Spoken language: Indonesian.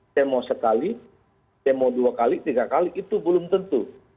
saya mau sekali saya mau dua kali tiga kali itu belum tentu